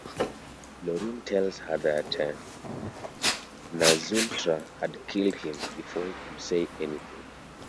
Laureline tells her that Na'Zultra had killed him before he could say anything.